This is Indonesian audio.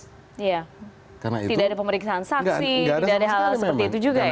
iya tidak ada pemeriksaan saksi tidak ada hal hal seperti itu juga ya